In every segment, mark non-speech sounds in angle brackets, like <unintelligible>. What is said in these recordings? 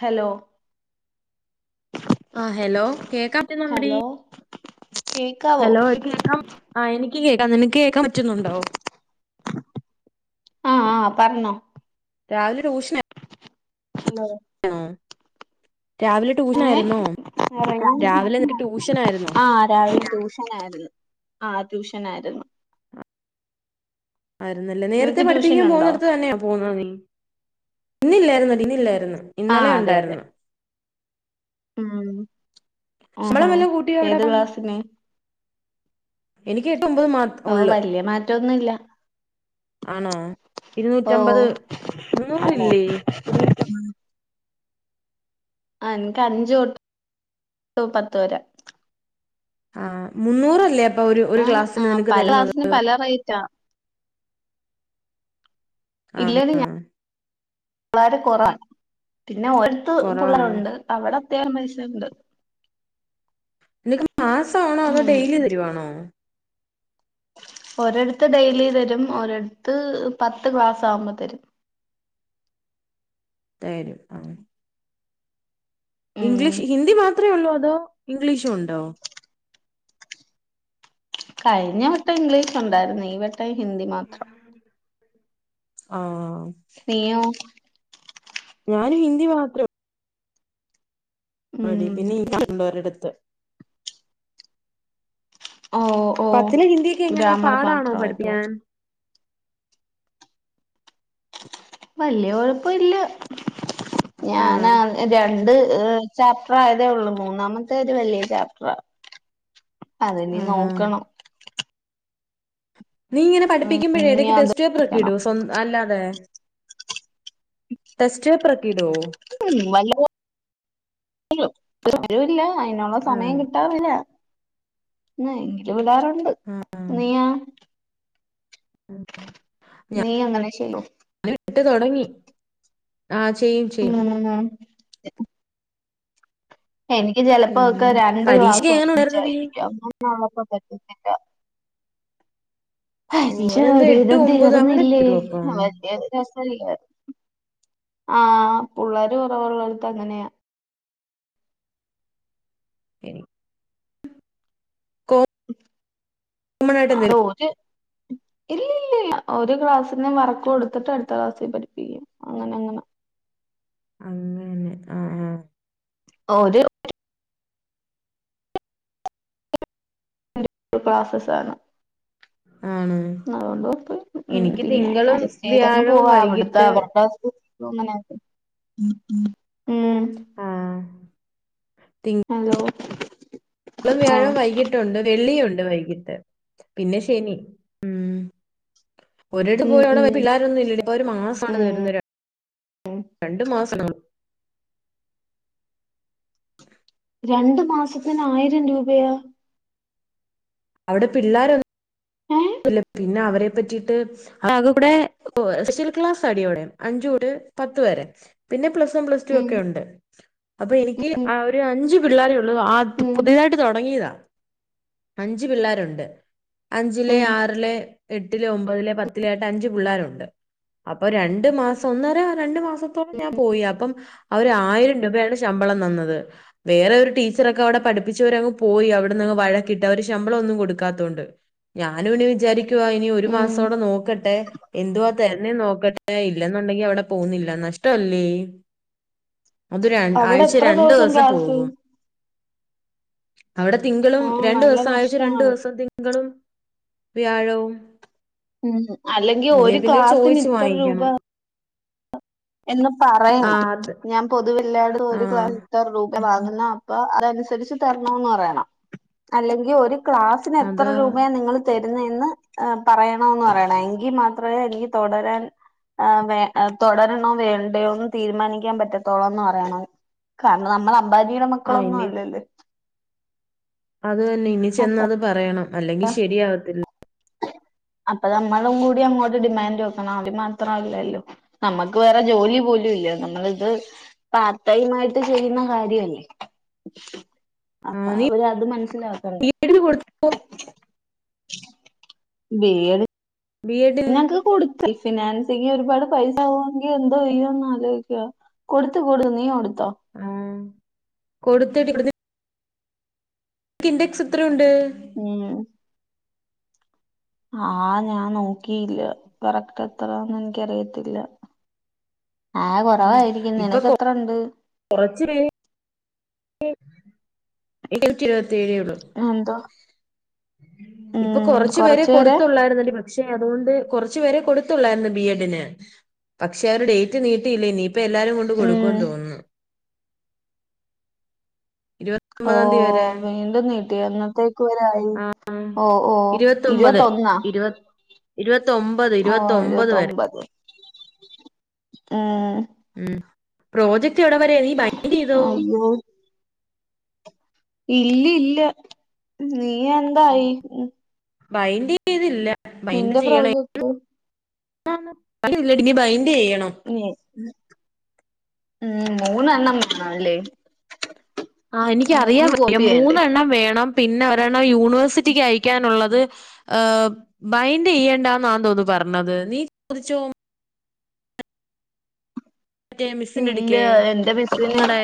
Hello ആ hello കേക്കപ്പറ്റുന്നുണ്ടെടി hello കേക്കാവോ ഹലോ കേൾക്കാം ആ എനി കേക്കാം നിനക്ക് കേക്കാൻ പറ്റുന്നുണ്ടോ ആഹ് പറഞ്ഞോ രാവിലെ ട്യൂഷന ഹലോ രാവിലെ ട്യൂഷൻ ഏ ആയിരുന്നോ രാവിലെ നിനക്ക് ട്യൂഷൻ ആയിരുന്നോ ആ രാവിലെ ട്യൂഷൻ ആയിരുന്നു ആ ടൂഷൻ ഷനായിരുന്നു ആയിരുന്നല്ലേ നേരത്തെ പഠിപ്പിക്കാൻ ട്യൂഷനുണ്ടോ പോുന്നിടത്ത് തന്നെയാ പോന്നത് നീ ഇന്നില്ലായിരുന്നഡി ഇന്നില്ലായിരുന്നു ഇന്നലെ ആഹ് അതെ അതെ ഉണ്ടായിരുന്നു ഉം ആ ഹാ ശമ്പളം വല്ല കൂട്ടിയോ അവിടെ ഏത് അപ്പം? ക്ലാസിന് എനിക്ക് ഒമ്പത് മാത്രം ഉള്ള വല്യ മാറ്റൊന്നുല്ല ആണോ ഓ ഇരുന്നൂറ്റമ്പത് ആഹ് മൂന്നുറില്ലേ ആ എനിക്ക് അഞ്ചു തൊട്ട് പത്ത് വരെ ആ മുന്നൂറല്ലേ ഒരു ഒരു ആഹ് ക്ലാസ്സിന് ആഹ് നിനക്ക് പല തരുന്നത് ക്ലാസ്സിന് പല റേറ്റാ ആ ഇല്ലന ഞാൻ വാരെ കൊറാൻ പിന്നെ ഓരത്ത് കുറവാണ് പുള്ളേരുണ്ട് അവിടെ ത്യേയം പൈസ ഉണ്ട് <unintelligible> നീക്കും മാസാണോ അതോ ഡെയിലി തെരുവാണോ ഒരടത്ത് ഡെയിലി തരും ഒരടത്ത് പത്ത് ക്ലാസ് ആവുമ്പ തരും തരും അം ഉം ഇംഗ്ലീഷ് ഹിന്ദി മാത് അത്രേ ഒള്ളോ അതോ ഇംഗ്ലീഷും ഉണ്ടോ കഴിഞ്ഞ വട്ടം ഇംഗ്ലീഷൊണ്ടായിരുന്ന് ഈ വ തയ് ഹിന്ദി മാത്രം ആ നീയോ ഞാൻ ഹിന്ദി മാത്രം മടി ഉം പിന്നെ കണ്ടോരടുത്ത് ഓ ഓ പത്തിലെ ഹിന്ദിയെക്കെ എങ്ങനെ ഗ്രാമർ പാടാണോ മാത്രമായിട്ടോ പഠിപ്പിക്കാൻ വല്യ കൊഴപ്പ ഇല്ല ഞാനാ ആഹ് രണ്ട് ഏ ചാപ്റ്റർ ആയതേ ഉള്ളൂ മൂന്നാമത്തേത് വല്യ ചാപ്റ്ററാ അതിനി ആഹാ നോക്കണം നീ ഇങ്ങനെ പഠിപ്പിക്കമ്പഴേ ഇനി എടക്ക് അത് ടെസ്റ്റ് പേപ്പർ ഒക്കെ ക്കണം ഇടോ സ്വ അല്ലാതെ ടെസ്റ്റ്പ്പറൊക്കെ ഇടോ ഉം വല്ലോ പ്പഴും ഒരു വരവുല്ല അതിനോള്ള സമയം ആഹ് കിട്ടാറില്ല ആ എങ്കിലുവിടാറു <unintelligible> നീ്യാ ഞാൻ നീ അങ്ങനെ ചെയ്തൊ ഇട്ട് തൊടങ്ങി ആ ചെയ്യും ചെയ്യും ഉം എനിക്ക് ചിലപ്പൊ ഒക്കെ പിന്നെ രണ്ട് പരീക്ഷക്ക് ക്ലാസ്സ്‌ എങ്ങനെ ഉണ്ടായിരുന്നെടി ഒരുമിച്ചായിരിക്കും അപ്പൊ ആ അപ്പ പറ്റത്തില്ല ഓ പരീക്ഷ അതെന്താ ഒരു എട്ട് വിധം ഒമ്പത് അങ്ങനെ തീർന്നില്ലേ ഇടുവോ അപ്പം മറ്റേതിന് ഒരു ദിവസം ലീവ് ആ പുള്ളേര് കുറവൊള്ളടത്ത് അങ്ങനെയാ എടി കോമൺ ആയിട്ട് അത് എന്തേലും ഒര് ഇല്ല ലല്ല ഒരു ക്ലാസ്സിൻ്റെ വർക്ക് കൊടുത്തിട്ട് അടുത്ത ക്ലാസ്സിൽ പഠിപ്പിക്കും അങ്ങനെ അങ്ങനെ അങ്ങനെ ആ ആ ഒര് ഒരു പ്രോസസ്സാണ് ആണ് അതുകൊണ്ട്പ്പയില്ല ആ എനിക്ക് പിന്നെ തിങ്കളും അജസ്റ്റ് ചെയ്തങ്ങ് വ്യാഴവും പോവാ വൈകിട്ട് അവിടുത്തെ അവരുടെ സ്കൂളിലും അങ്ങനെതന്നെ ഉം ഉം ആ ഹലോ തിങ്കളും വ്യാഴം ആഹ് വൈകിട്ടുണ്ട് വെള്ളിയുണ്ട് വൈകിട്ട് പിന്നെ ശനി ഉം ഒരിടത്ത് ഉം പോയി അവിടെ ഉം പിള്ളേരൊന്നും ഇല്ല ഇപ്പൊ ഒരു മാസമാണ് ഉം തരുന്നത് രണ്ടു മാസം ശബ്ദം ഒന്നും ക്ലിയർ അല്ല രണ്ടു മാസത്തിന് ആയിരം രൂപ വേയ അവിടെ പിള്ളോരൊ ഏഹ് പിന്നെ അവരെ പറ്റിട്ട് അതിവിടെ സ്പെഷ്യൽ ക്ലാസ് അടോടെ അഞ്ചൂടെ പത്ത് വരെ പിന്നെ plus plus one plus two ഉം ഒക്കെ ഉണ്ട് അപ്പൊ എനിക്ക് ഉം ഒരു അഞ്ചു പിള്ളാര് ആത് ഉം പുതിയതായിട്ട് തുടങ്ങിയതാ അഞ്ച് പിള്ളേരുണ്ട് അഞ്ചിലെ ഉം ആറിലെ എട്ടിലോ ഒമ്പതിലോ പത്തിലോ ആയിട്ട് അഞ്ച് പിള്ളേരുണ്ട് അപ്പൊ രണ്ടു മാസം ഒന്നര രണ്ടു മാസം അപ്പം ഞാൻ പോയി അപ്പം അവര് ആയിരം രൂപയാണ് ശമ്പളം തന്നത് ഞാനും ഇനി വിചാരിക്കു ക്കുവ ഇനി ഒരു ഉം മാസോടെ നോക്കട്ടെ എന്തുവാ തരു എന്നെ നോക്കട്ടെ ഇല്ലെന്നുണ്ടെങ്കി അവിടെ പോന്നില്ല നഷ്ടല്ലേ അത് അവിടെ ആഴ്ചയിൽ എത്ര രണ്ടു ദിവസം ക്ലാസ് പോകും അവിടെ തിങ്കളും ആഹ് രണ്ടു നല്ല ദിവസം ആഴ്ച രണ്ടു നഷ്ടമാണ് ദിവസം തിങ്കളും വ്യാഴവും ഉം അല്ലെങ്കിൽ ഇല്ലേ ഒരു പിന്നെ ക്ലാസിന് ചോദിച്ചു ഇത്ര രൂപ വാങ്ങിക്കണം എന്ന് ആ പറയണം അത് ഞാൻ പൊതുവില്ലായിടത്തും ആ ഒരു ക്ലാസ്സിന് ഇത്ര രൂ വാങ്ങുന്ന അപ്പ അതനുസരിച്ച് തരണം എന്ന് പറയണം അല്ലെങ്കിൽ ഒരു ക്ലാസിന് എത്ര അതാ രൂപയാ നിങ്ങൾ തരു നെന്ന് പറയണം എന്നു പറയണം എങ്കിൽ മാത്രമേ എനിക്ക് തുടരാൻ വേ തുടരണ വേണോ വേണ്ടയോന്ന് തീരുമാനിക്കാൻ പറ്റത്തുള്ളൂന്ന് പറയണം കാരണം നമ്മള് അമ്പാനിയുടെ ആ മക്കളൊന്നും ഇനി അല്ലല്ലോ? അതു തന്നെ ഇനി ചെന്ന് അത് പറയണം. അല്ലെങ്കിൽ ശരിയാവത്തില്ല. അപ്പോ നമ്മളും കൂടി അങ്ങോട്ട് ഡിമാൻഡ് വെക്കണം <unintelligible> മാത്രല്ലല്ലോ നമ്മുക്ക് വേറെ ജോലി പോലും ഇല്ല നമ്മളിത് പാർട്ട് ടൈം ആയിട്ട് ചെയ്യുന്ന കാര്യല്ലേ അപ്പം അവരത് മനസി ബി എ ഡിന് കൊടുത്തോ? വേറെ നൊക്കെ കൊടുത്ത്. ഫിനാൻസിംഗ് ഒരുപാട് പൈസ ആകുവെങ്കിൽ എന്തോ ചെയ്യോന്ന് ആലോചിക്കാ കൊടുത്തു കൊടുത്തു നീ കൊടുത്തോ? ത്തോ. കൊടുത്തെടി. നിക്ക് ഇൻഡെക്സ് എത്ര ഉണ്ട്? ഉം ആഹ് ഞാൻ നോ ക്കിയില്ല കറക്ട് എ എത്രാന്ന് എനിക്കറിയത്തില്ല. ആഹ് ഉം. കുറവായിരിക്കും ഇപ്പൊ നിനക്ക് കൊ- എത്ര ഒണ്ട്? <unintelligible> ത്തേഴേയുള്ളൂ. എന്തോ ഇപ്പൊ ഉം കൊറച്ച് പേരേ കൊറച്ചു പേരെ കൊടുത്തൊള്ളായിരുന്നു എടി പക്ഷേ പക്ഷേ അതുകൊണ്ട് കൊറച്ച് പേരെ കൊടുത്തുള്ളായിരുന്നു ബി എഡിന് പക്ഷേ അവര് ഡേറ്റ് നീട്ടില്ല ഇനി ഇപ്പൊ എല്ലാരും കൊണ്ട് കൊടുക്കുന്ന് ഉം തോന്നുന്നു. ഇരുപത്തി ഓ ഒമ്പതാം തീയതി വരെ വീണ്ടും നീട്ടി എന്നന്നത്തേക്ക് വരെ ആയി ഓ ഓ ഇരുപത്തൊന്നാ? ഇരുപ ത്തൊമ്പത് ഇരുപത്തൊമ്പത് വരെ. ഏഹ് ഉം പ്രോജ ക്റ്റ് എവിടെ വരെ നീ ബൈൻഡ് ചെയ്തോ? അയ്യോ ഇല്ല ഇല്ല നീ എന്തായി? ബൈൻഡ് ചെയ്തില്ല. നിന്റെ പ്രോജക്റ്റോ? ല്ലേടി ഇനി ബൈൻഡ് ചെയ്യണം. ഇനി ഉം മൂന്നെണ്ണം വേണമല്ലേ? ആഹ് എനിക്ക് മൂന്ന് അറിയാവയ്യ കോപ്പി വേണ്ടേ മൂന്നെണ്ണം വേണം പിന്നെ ഒരെണ്ണം യൂണിവേഴ്സിറ്റിക്ക് അയക്കാനുള്ളത് ഏഹ് ബൈൻഡെയ്യണ്ടന്നാ തോന്നുന്നു പറഞ്ഞത്. നീ ചോദിച്ചോ മറ്റേ മിസ്സിന്റെ ഇല്ല അടുക്കെ എന്റെ മിസ്സിന് നിങ്ങടെ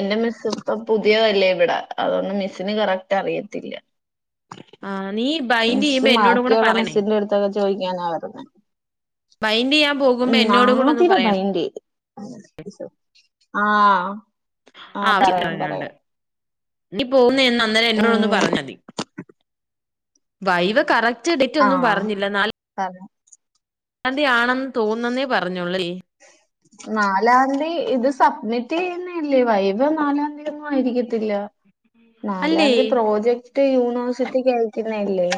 എൻ്റെ മിസ്സ്പ്പം പുതിയതല്ലേ ഇവ്ടെ അതോണ്ട് മിസ്സിന് കറക്റ്റ് അറിയത്തില്ല ആ നീ ബൈന്റെയ്യുമ്പോ എന്നോടു കൂടെ പറയണേ ഞാൻ ന്നാ വരുന്നെ ബയന്റെയ്യാൻ പോകുമ്പോ എന്നോടു കൂടൊന്ന് പറയണേ ബൈൻഡ് ചെയ്ത് ആ ആ പറയാം പറയാം ങ്കി പോ ന്ന് അന്നേരം എന്നോടൊന്ന് ഉം പറഞ്ഞാതി വൈവ് കറ ക്റ്റ് ഡേറ്റൊന്നും ആഹ് പറഞ്ഞില്ല നാൽ പറ തെ ആണെന്ന് തോന്ന്ന്നന്നേ പറഞ്ഞോള്ളുലേ നാലാന്തി ഇത് സബ്മിറ്റെയ്യുന്നല്ലേ വൈവ നാലാം തിയതിഒന്നും ആയിരിക്കത്തില്ല അല്ലേ നാലാന്തി പ്രോജക്ട് യൂ മോശത്തി കേൾക്ക്ന്നില്ലേ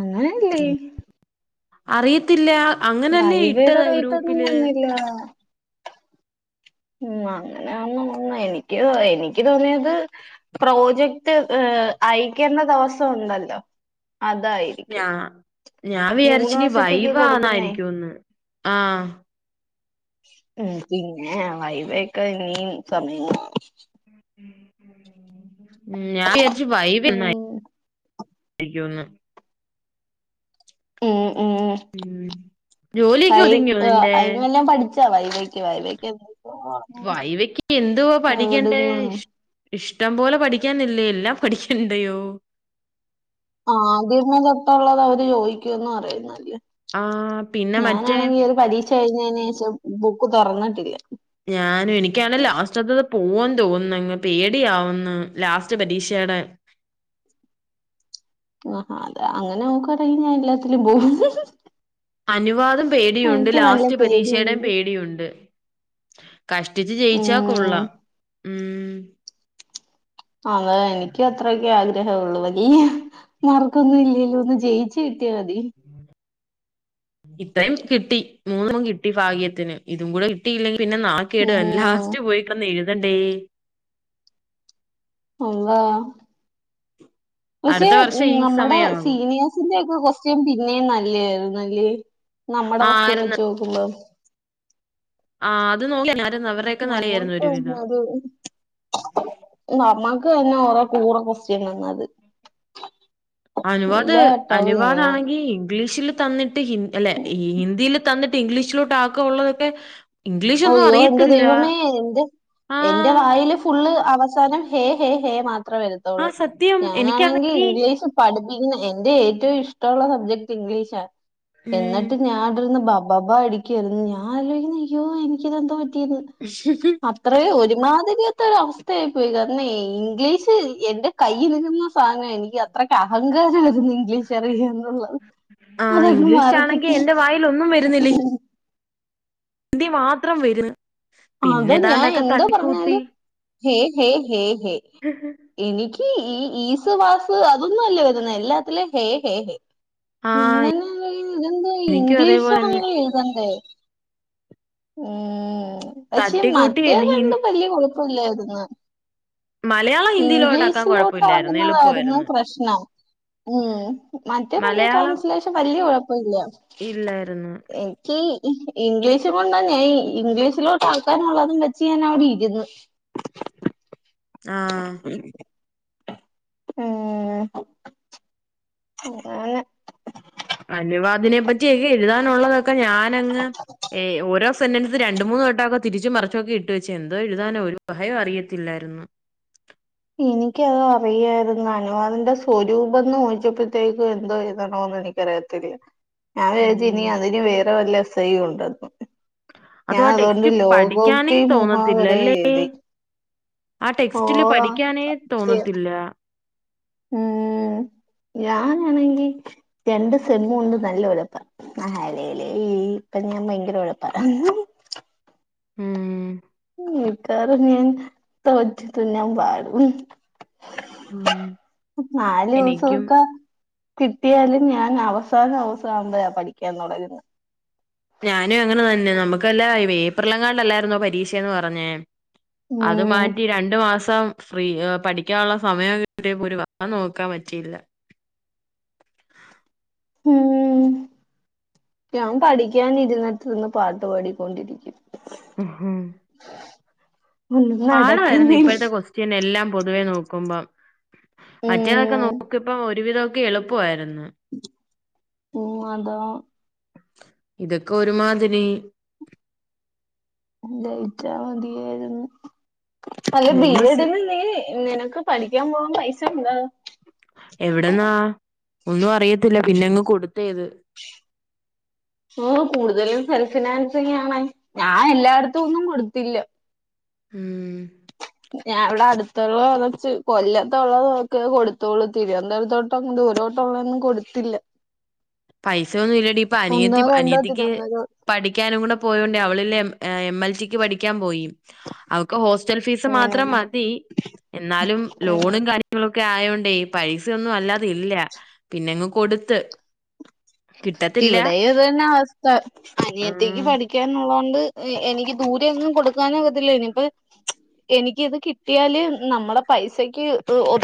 അങ്ങനെല്ലേ അറിയത്തില്ലാ വൈവയുടെ റേറ്റൊന്നും വന്നില്ലാ ഉം അങ്ങനെയാന്നൊന്നും എനിക്ക് എനിക്ക് തോന്നിയത് പ്രോജക്ട് ഏ അയ്ക്കേണ്ട ദെവസം ഇണ്ടല്ലോ. ഞാ അതായിരിക്കും. ഞാൻ വിചാര്ച്ചിനി യൂണിവേഴ്സിറ്റിക്ക് കൊടുക്കുന്നേ വൈവാന്നായിരിക്കൂന്ന് ആ. ഉം പിന്നെ വൈവേക്കാ ഇനിയും സമയ ഉം ഞാ വിചാര്ച്ചു വൈവ ഉം <unintelligible> രിക്കൂന്ന് മ് ഉം ജോലിയൊക്കെ ഒതുങ്ങിയൊ നിന്റെ വൈവെക്യ വൈവെക്യ വൈവക്ക് എന്തുവാ പഠിക്കേണ്ടേ? എവിടുന്ന് ഇഷ്ടം പോലെ പഠിക്കാനില്ലേ എല്ലാം പഠിക്കണ്ടയോ? ആദ്യമേ തൊട്ടള്ളത് അവര് ചോദിക്കുംന്ന് പറയുന്നെ ആ പിന്നെ മറ്റേ ക്ഷ കഴിഞ്ഞേനേഷം ബുക്ക് തുറന്നിട്ടില്ല ഞാനും എനിക്കാണ് ലാസ്റ്റത്തത് പോവൻ തോന്നുന്നങ്ങ് പേടിയാവുന്നു ലാസ്റ്റ് പരീക്ഷേടെ ആ അത അങ്ങനെ നോക്കവാടങ്കിൽ ഞാൻ എല്ലാത്തിലും പോവും അനുവാദം പേടിയുണ്ട് ലാസ്റ്റ് പരീക്ഷയുടെയും പേടിയുണ്ട് പേടിയുണ്ട് കഷ്ടിച്ചു ജയിച്ചാ ഉം കൊള്ളാം ഉം അതെ എനിക്കും അത്രൊക്കെ ആ ഗ്രഹുള്ളു വലിയ മാർക്കൊന്നും ഇല്ലേലും ഒന്ന് ജയിച്ചു കിട്ടിയാൽ മതി ഇത്രയും കിട്ടി മൂന്നും കിട്ടി ഭാഗ്യത്തിന് ഇതും കൂടെ കിട്ടിയില്ലെങ്കിൽ പിന്നെ നാ കേട് ഉം ലാസ്റ്റ് പോയിക്കടന്ന് എഴുതണ്ടേ അള്ളാ പക്ഷെ അടുത്ത വർഷം ഈ നമ്മുടെ സമയമാകും സീനിയേഴ്സിന്റെ കൊസ്റ്റ്യൻ പിന്നേം നല്ലയായിരുന്നു അല്ലെ നമ്മുടെ കൊസ്റ്റ്യൻ ആരുന്ന് വെച്ച് നോക്കുമ്പോം ആഹ് അത് നോ <unintelligible> നമ്മക്ക് തന്നത് നമ്മക്ക് തന്നെ റെ കൂറ കൊസ്റ്റ്യൻ തന്നത് അനുവാദ് എല്ലാ വട്ടവും ഇങ്ങനെ അനുവാദാണെങ്കി ഇംഗ്ലീഷില് തന്നി ട്ട് അല്ല ഈ ഹിന്ദിയിൽ തന്നി ട്ട് ഇംഗ്ലീഷിലോട്ട് ആക്കാൻ ഉള്ളതൊക്കെ ഇംഗ്ലീഷൊന്നും അയ്യോ എന്റെ അറിയത്തില്ല ദൈവമേ എറെ ആ എന്റെ വായില് ഫുള്ള് അവസാനം ഹേ ഹേ ഹേ മാ ത്ര ആ വരത്തൊള്ള് സത്യം ഞാനാണെങ്കി എനിക്കാണെങ്കി ഇംഗ്ലീഷ് പഠി എന്റെ ഏറ്റവും ഇഷ്ടവുള്ള സബ്ജക്ട് ഇംഗ്ലീഷാണ് ഉം എന്നിട്ട് ഞാൻ കെടന്ന് ബ ബബാ അടിക്കായിരുന്നു ഞാൻ ആലോചിക്കുന്നെ അയ്യൊ എനിക്കിതെന്തോ പ റ്റീന്ന് അത്രയേ ഒരു മാധുരികത്ത ഒരു അവസ്ഥയായി പോയി കാരണംഇംഗ്ലീഷ് എൻന്റെ കയ്യിലി രുന്ന സാധനം എനിക്ക് അത്രയ്ക്ക് അഹങ്കാരംരുന്നു ഇംഗ്ലീഷ് അറിയാ ആ ഇംഗ്ലീഷ്ആണെങ്കിൽ എന്റെ വായിൽ ഒന്നും വരുന്നില്ല ഹിന്ദി എന്ത് മാത്രം വരും അത് ഞാൻ എന്താ പറഞ്ഞാലും ഹെ ഹെ ഹെ ഹെ എനിക്ക് ഈ ഈസ്വാസ് അതൊന്നും അല്ല വരുന്ന എല്ലാത്തിലും ഹേ ഹേ ഹേ ആഹ് ഞന്ന ഇതന്ത് എനിക്കും ഇംഗ്ലീഷ് അതേപോലെന്നെ മല്ലെ ഇതണ്ട് ഉം പക്ഷെ തട്ടിക്കൂട്ടി മറ്റേ ഹി കണ്ട് വല്യ കുഴപ്പില്ലായിരുന്നു മലയാളം ഹിന്ദിയിലോട്ടാക്കാൻ ഇംഗ്ലീഷിലോട്ട് കൊഴപ്പമില്ലായിരുന്നു ആകുന്നതായിരുന്നു എളുപ്പമായിരുന്നു പ്രശ്ന ഉ മറ്റേ രണ്ട് മലയാളം ട്രാൻസ്ലേഷൻ വല്യഴപ്പ പോല്ല ഇല്ലായിരുന്നു എക്ക് ഇംഗ്ലീഷ് കൊണ്ട ഇംഗ്ലീഷിലോട്ട് ആക്കാനുള്ളതും വെച്ച് ഞൻ അവിടെ ഇന്ന് ആഹ ഉം ന അനുവാദിനെ പറ്റിയൊക്കെ എഴുതാനുള്ളത ഞാനങ് ഓരോ സന്നനത്ത് രണ്ട മൂന്ന് തോട്ടംക്കെ തിരിച്ച് മറച്ച്ക്കി ഇട്ട വെച്ച എന്തോ എഴുതാനൻ ഒരു ഭയം അറിയത്തില്ലായിരുന്നു എനിക്ക അത് അറിയായിരുന്നു അനുവാദന്റെ സ്വരൂപം എ ചോദിച്ചപ്പോഴത്തേക്കും എന്തോ എഴുതണോന്ന് എനിക്കറിയത്തില്ല ഞാൻ ഇനി ഉം അതിന് വേറെ വല്ല ചെയ്യണ്ടും ഞാൻ അതും ആ അതുകൊണ്ട് ടെക്സ്റ്റ് പഠിക്കാനേ ലോകോക്തി തോന്നത്തില്ല മുഹാവര അല്ലേ എഴുതി ആ ഓ ടെക്സ്റ്റില് പഠിക്കാനേ സത്യം തോന്നത്തില്ല ഉം ഞാനാണെങ്കി രണ്ട് സെമ്മ കൊണ്ട് നല്ല ഉഴപ്പറ ആലലേ ഇപ്പൊ ഞാൻ ഭയങ്കര ഉഴപ്പറ ഉം ഉ ഇതറ ഞൻ ത വച്ചത്ത ഞാൻ ബാഴ ഉം നാല് എനിക്കും ദിവസൊക്കെ കിട്ടിയാലും ഞാൻ അവസാനം അവസാനം ആവുമ്പോഴ പഠിക്കാൻ തുടന്ന് ഞാനും അങ്ങനെ തന്നെ നമ്മുക്കല്ലാ പേപ്പറിലെങ്ങാണ്ട്ല്ലാരരുന്നോ പരീക്ഷന്ന് പറഞ്ഞേ അത് ഉം മാറ്റി രണ്ടു മാസം ഫ്രീ പഠിക്കാനുള്ള സമയം ക വ നോക്കാൻ പറ്റിയില്ല ഉ ഞാൻ പഠിക്കാന ഇരുന്നിട്ടു നിന്ന് പാട്ട് പാടിക്കൊണ്ടിരിക്കും ഹ ഒന്നും പാടമായിരുന്നു നടക്കുന്നില്ല ഇപ്പോഴത്തെ ക്വസ്റ്റ്യൻ എല്ലാം പൊതുവെ നോക്കുമ്പം മറ്റേതൊക്കെ ഉം നോക്കിയപ്പം ഒരുവിധമൊക്കെ എളുപ്പമായിരുന്നു മാതാ ഇതൊക്കെ ഒരുമാതിരി ജയിച്ചാ മതിയായിരുന്നു അല്ലെ ബി മൂന്ന് എഡ സ് ഇന്ന ന നിനക്ക് പഠിക്കാൻ പോവാൻ പൈസ ഉണ്ടാ എവിടന്നാ ഒന്നും അറിയത്തില്ല പിന്നെങ്ങ് കൊടുത്തത് <unintelligible> കൂടുതലും സെൽഫ് ഫിനാൻസിങ് ആണെ ഞാൻ എല്ലാടത്തു ഒന്നും കൊടുത്തില്ല ഉം ഞാൻ ഇവിടെ അടുത്തൊള്ള <unintelligible> കൊല്ലത്തൊള്ളൊക്കെ കൊടുത്തോള്ളു തിരോന്തോരത്തോട്ട ദൂരോട്ടുള്ളൊന്നും കൊടുത്തില്ല പൈസൊന്നും ഇല്ലടി ഇപ്പോ ഒന്നോ അനിയത്തി രണ്ടോ അനിയത്തിക്ക് തിരുവനന്തപുരം പഠിക്കാനും കൂടെ പോയോണ്ടേ അവളില്ലേ എം എൽ ടിക്ക് പഠിക്കാൻ പോയി അവക്ക് ഹോസ്റ്റൽ ഫീസ് മാത്രം ഉം മതി എന്നാലും ഉം ലോണും കാര്യങ്ങളൊ ക്കെ ആയോണ്ടേ പൈസയൊന്നും അല്ലാതില്ല പിന്നെങ്ങ് കൊട്ത്ത് ഇവിടെ ഇത് തന്നെ അവസ്ഥ ഉം അനിയത്തിക്ക് പഠിക്കാന്നുള്ളതോ ണ്ട് എനിക്ക് ദൂരെയൊന്നും കൊടുക്കാന് ഒക്കത്തില്ല ഇനിപ്പോ എനിക്ക് ഇത് കിട്ടിയാല് നമ്മടെ പൈസക്ക് ഒ